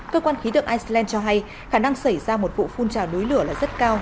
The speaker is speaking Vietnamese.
cơ quan khí tượng iceland cho hay khả năng xảy ra một vụ phun trào núi lửa là rất cao